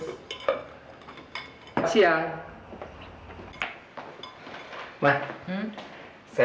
saya terpilih untuk menguasai kekuasaanmu